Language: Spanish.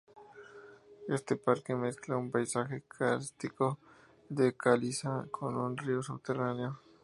Este parque mezcla un paisaje kárstico de caliza con un río subterráneo.